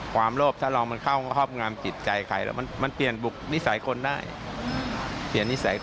ความโลภถ้าลองมันเข้าห้อบงามกิจใจใคร